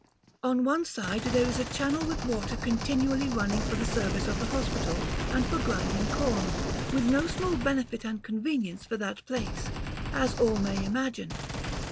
On one side there is a channel with water continually running for the service of the hospital and for grinding corn, with no small benefit and convenience for that place, as all may imagine.